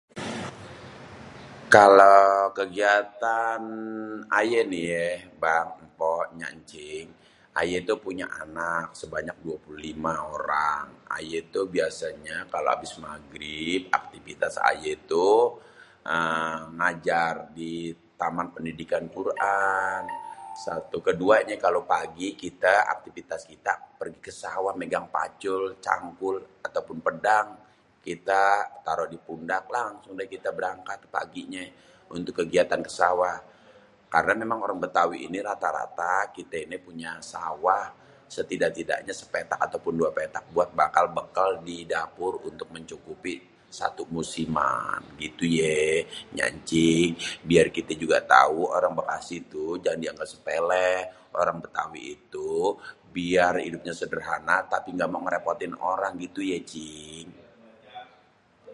Kalau kegiatan ayé ni yé bang, mpok, énya, éncing, ayé tuh punya anak sébanyak 25 orang. Ayé tuh biasanyé kalo abis magrib aktipitas ayé tuh ngajar di taman pendidikan Al-Quran, keduanyé kalau pagi aktivitas kita pergi kesawah mégang pacul, cangkul, ataupun pédang kita taro dipundak langsung dah kita berangkat paginyé untuk kegiatan sawah karena mémang orang betawi ini rata-rata kite ini punya sawah setidak-tidaknya sépétak ataupun duapétak buat bakal didapur untuk mencukupi satu musiman gitu yé énya éncing. Biar kité juga tau orang tau orang Bekasi tuh engga dianggap sépélé orang Betawi itu biar hidupnya sederhana tapi engga mau ngérépotin orang gitu yé cing.